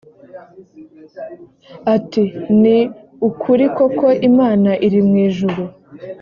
ati ni ukuri koko imana iri mwijuru?